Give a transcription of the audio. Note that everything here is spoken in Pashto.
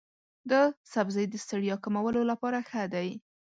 دا سبزی د ستړیا کمولو لپاره ښه دی.